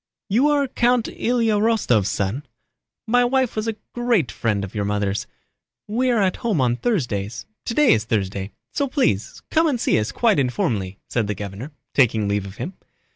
"You are Count Ilyá Rostóv's son? My wife was a great friend of your mother's. We are at home on Thursdays—today is Thursday, so please come and see us quite informally," said the governor, taking leave of him.